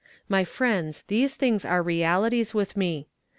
My friends, these things are realities with me.